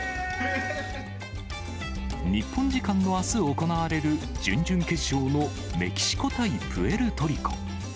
日本時間のあす行われる、準々決勝のメキシコ対プエルトリコ。